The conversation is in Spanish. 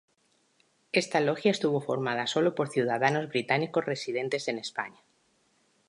Esta logia estuvo formada sólo por ciudadanos británicos residentes en España.